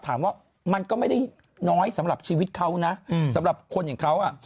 ถามว่ามันก็ไม่ได้น้อยสำหรับชีวิตเขาน่ะอืมสำหรับคนอย่างเขาอ่ะ